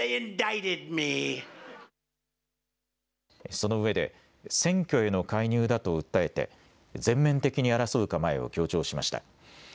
その上で、選挙への介入だと訴えて、全面的に争う構えを強調しました。